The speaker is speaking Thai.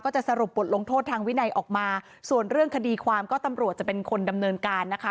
จะสรุปบทลงโทษทางวินัยออกมาส่วนเรื่องคดีความก็ตำรวจจะเป็นคนดำเนินการนะคะ